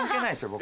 僕。